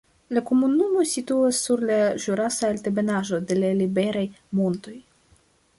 La komunumo situas sur la ĵurasa altebenaĵo de la Liberaj Montoj.